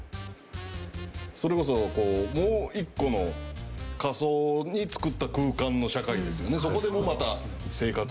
それこそもう一個の仮想に作った空間の社会ですよね。